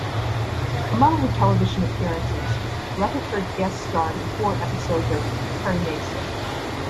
Among her television appearances, Rutherford guest starred in four episodes of "Perry Mason".